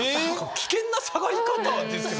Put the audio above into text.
危険な下がり方ですけど。